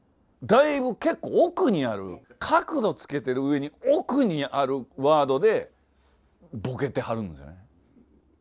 だいぶ結構奥にある角度つけてる上に奥にあるワードでボケてはるんですよね。